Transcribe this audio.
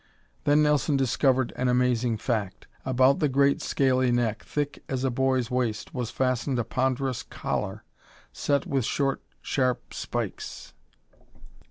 Then Nelson discovered an amazing fact. About the great scaly neck, thick as a boy's waist, was fastened a ponderous collar, set with short, sharp spikes.